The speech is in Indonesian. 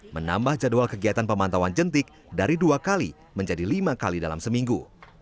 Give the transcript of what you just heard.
menambah jadwal kegiatan pemantauan jentik dari dua kali menjadi lima kali dalam seminggu